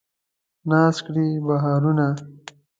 ناز کړي بهارونه